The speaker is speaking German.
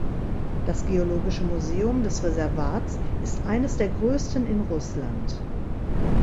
Das Geologische Museum des Reservats ist eines der größten in Russland.